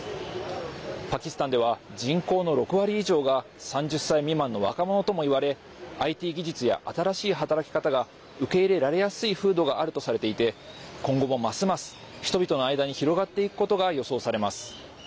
パキスタンでは人口の６割以上が３０歳未満の若者ともいわれＩＴ技術や、新しい働き方が受け入れられやすい風土があるとされていて今後もますます、人々の間に広がっていくことが予想されます。